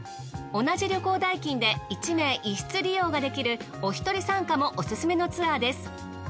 同じ旅行代金で１名１室利用ができるおひとり参加もオススメのツアーです。